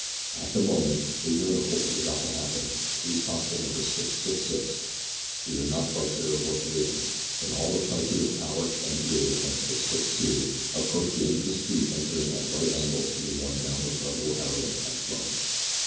At the moment, ignorant of what was about to happen, police constable Number 666 we are not quite sure of what division in all the plenitude of power, and blue, and six feet two, approached the end of a street entering at right angles to the one down which our little heroine had flown.